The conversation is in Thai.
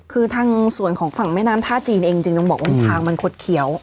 คือทางส่วนของฝั่งแม่น้ำท่าจีนเองจริงต้องบอกว่าทางมันคดเขียว